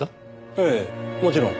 ええもちろん。